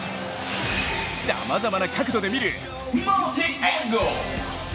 さまざまな角度で見るマルチアングル。